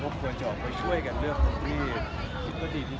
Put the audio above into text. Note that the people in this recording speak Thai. ทุกคนควรจะไปช่วยกันเลือกทางที่บริษัทดีที่สุด